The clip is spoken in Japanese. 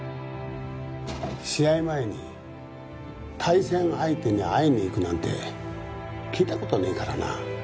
試合前に対戦相手に会いに行くなんて聞いた事ねえからな。